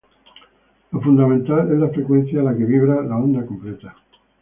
La fundamental es la frecuencia a la que vibra la onda completa.